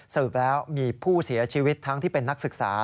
สรุปแล้วมีผู้เสียชีวิตทั้งที่เป็นนักศึกษา